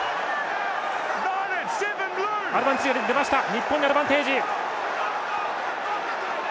日本にアドバンテージ。